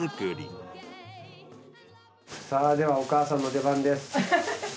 さあではお母さんの出番です。